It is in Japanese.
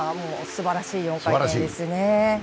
すばらし４回転ですね。